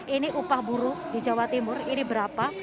ini upah buruh di jawa timur ini berapa